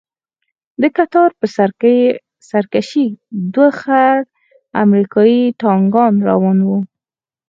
د کتار په سر کښې دوه خړ امريکايي ټانکان روان وو.